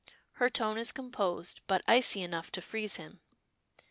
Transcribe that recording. Her tone is composed, but icy enough to freeze him.